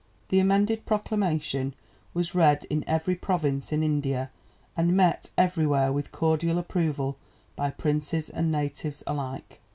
The amended Proclamation was read in every province in India and met everywhere with cordial approval by princes and natives alike.